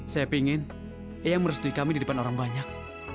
saya ingin merestui kami di depan orang banyak